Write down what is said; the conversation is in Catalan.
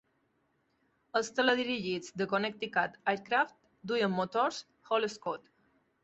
Els teledirigits de Connecticut Aircraft duien motors Hall-Scott.